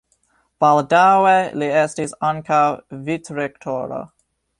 Baldaŭe li estis ankaŭ vicrektoro.